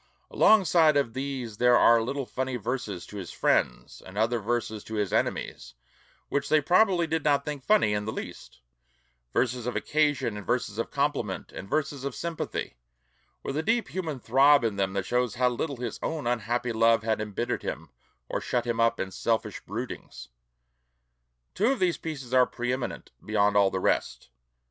Alongside of these there are little funny verses to his friends, and other verses to his enemies which they probably did not think funny in the least; verses of occasion and verses of compliment; and verses of sympathy, with a deep human throb in them that shows how little his own unhappy love had embittered him or shut him up in selfish broodings. Two of these pieces are pre eminent beyond all the rest.